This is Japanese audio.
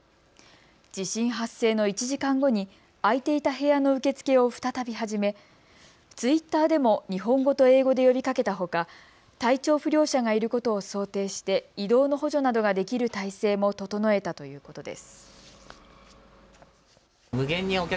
地震発生の１時間後に空いていた部屋の受け付けを再び始め、ツイッターでも日本語と英語で呼びかけたほか体調不良者がいることを想定して移動の補助などができる態勢も整えたということです。